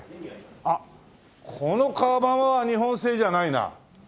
あっこの窯は日本製じゃないな。